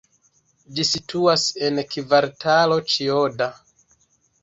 Ĝi situas en Kvartalo Ĉijoda.